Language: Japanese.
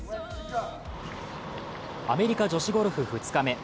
アメリカ女子ゴルフ２日目。